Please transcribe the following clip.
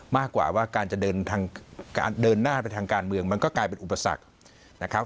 มากกว่าว่าการจะเดินทางเดินหน้าไปทางการเมืองมันก็กลายเป็นอุปสรรคนะครับ